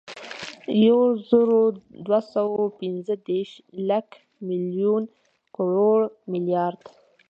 یوزرودوهسوه اوپنځهدېرش، لک، ملیون، کروړ، ملیارد